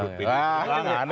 wah aneh ya kan